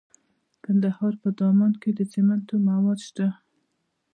د کندهار په دامان کې د سمنټو مواد شته.